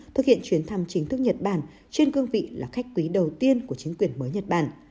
thực hiện chuyến thăm chính thức nhật bản trên cương vị là khách quý đầu tiên của chính quyền mới nhật bản